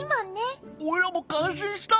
オイラもかんしんした！